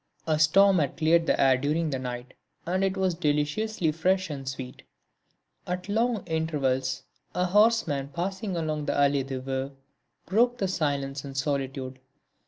A storm had cleared the air during the night and it was deliciously fresh and sweet. At long intervals a horseman passing along the Allée des Veuves broke the silence and solitude.